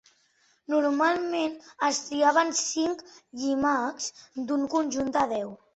Normalment es triaven cinc llimacs d'un conjunt de deu.